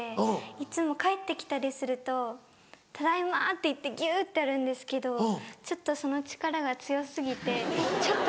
いつも帰って来たりすると「ただいま」って言ってギュってやるんですけどちょっとその力が強過ぎてちょっと。